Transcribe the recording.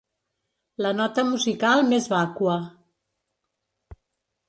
La nota musical més vàcua.